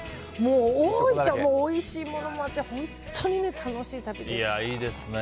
大分、おいしいものもあって本当に楽しい旅でした。